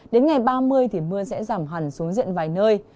đến ngày ba mươi thì mưa sẽ giảm hẳn xuống diện vài nơi